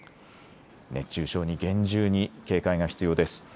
熱中症に厳重に警戒が必要です。